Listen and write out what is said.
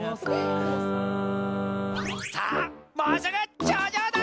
さあもうすぐちょうじょうだ！